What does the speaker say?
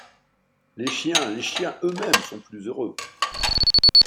Les chiens, les chiens eux-mêmes sont plus heureux!